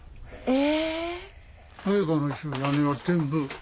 え！